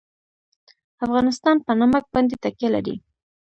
افغانستان په نمک باندې تکیه لري.